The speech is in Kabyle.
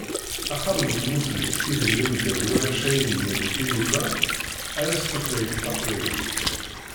Axxam n Tmussni ideg lemmden warrac ayendin d tilufa, ala s tutlayt taqbaylit.